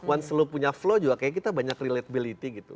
one slow punya flow juga kayaknya kita banyak relatability gitu